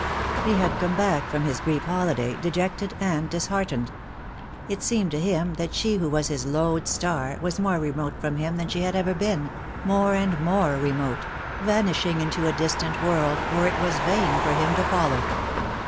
He had come back from his brief holiday dejected and disheartened. It seemed to him that she who was his lode star was more remote from him than she had ever been — more and more remote — vanishing into a distant world where it was vain for him to follow.